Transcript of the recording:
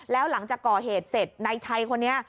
แล้วหลังจากก่อเหตุเสร็จนายชัยคนนี้